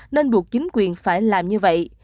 nên buộc chính quyền phải làm như vậy